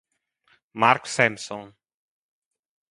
Mark Sampson